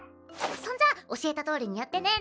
そんじゃ教えたとおりにやってね